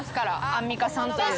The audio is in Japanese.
アンミカさんという。